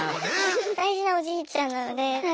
大事なおじいちゃんなので。